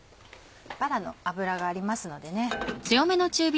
バラの脂がありますのでね。